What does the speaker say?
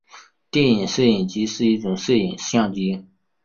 电影摄影机是一种摄影相机。